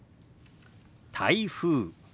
「台風」。